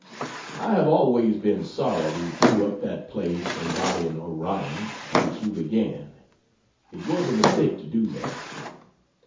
I have always been sorry we threw up that play embodying Orion which you began. It was a mistake to do that.